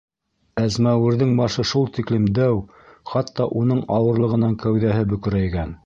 Әзмәүерҙең башы шул тиклем дәү, хатта уның ауырлығынан кәүҙәһе бөкөрәйгән.